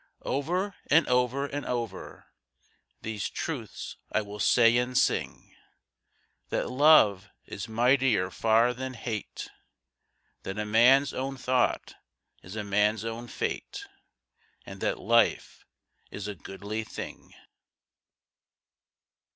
Over and over and over These truths I will say and sing, That love is mightier far than hate, That a man's own thought is a man's own fate, And that life is a goodly thing.